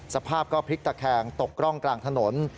สภาพก็พลิกตะแคงตกร่องกลางถนน